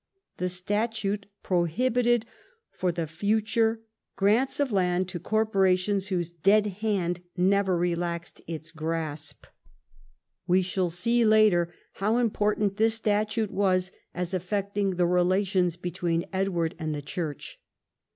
The statute prohibited for the future grants of land to corporations whose "dead hand" never relaxed its grasp. We shall VII EDWARD'S LEGISLATION 127 see later how important this statute was as affecting the relations between Edward and the Church.